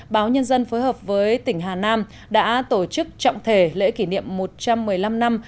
báo nhân dân phối hợp với tỉnh hà nam đã tổ chức trọng thể lễ kỷ niệm một trăm một mươi năm năm